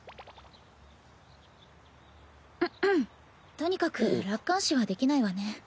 とにかく楽観視はできないわね。